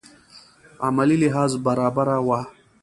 عملي لحاظ برابره وه.